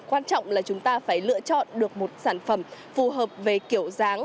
quan trọng là chúng ta phải lựa chọn được một sản phẩm phù hợp về kiểu dáng